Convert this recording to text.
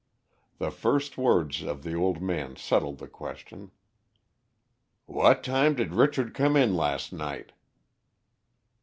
The first words of the old man settled the question. "What time did Richard come in last night?"